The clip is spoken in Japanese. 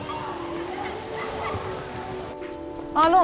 あの！